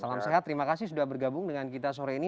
salam sehat terima kasih sudah bergabung dengan kita sore ini